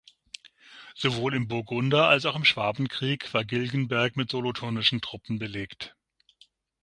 Sowohl im Burgunder- als auch im Schwabenkrieg war Gilgenberg mit solothurnischen Truppen belegt.